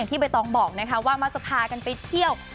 ยังที่ใบตองบอกนะคะว่ามาจะพากันไปเที่ยว